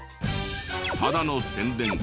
ただの宣伝か？